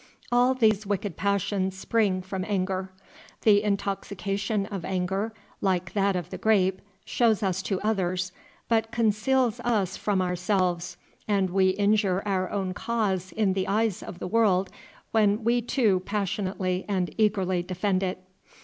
All these wicked passions spring from anger. The intoxication of anger, like that of the grape, shows us to others, but conceals us from ourselves, and we injure our own cause in the eyes of the world when we too passionately and eagerly defend it.